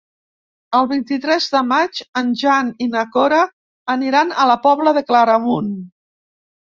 El vint-i-tres de maig en Jan i na Cora aniran a la Pobla de Claramunt.